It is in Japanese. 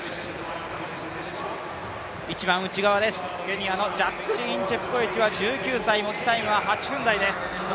一番内側です、ケニアのジャックリーン・チェプコエチは１９歳、持ちタイムは８分台です。